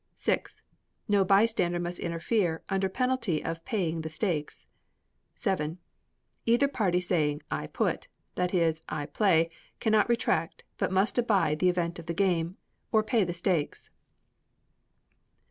vi. No bystander must interfere, under penalty of paying the stakes. vii. Either party saying, "I put" that is, "I play" cannot retract, but must abide the event of the game, or pay the stakes.